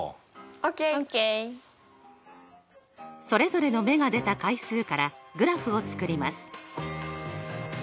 それぞれの目が出た回数からグラフを作ります。